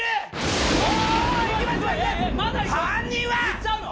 言っちゃうの？